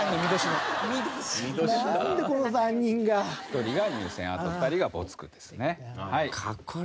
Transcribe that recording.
１人が入選あと２人が没句ですね。